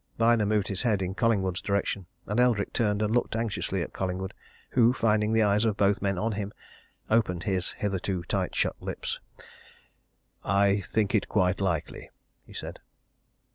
Byner moved his head in Collingwood's direction and Eldrick turned and looked anxiously at Collingwood, who, finding the eyes of both men on him, opened his hitherto tight shut lips. "I think it quite likely!" he said.